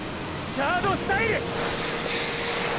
サードスタイル！！